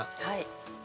はい。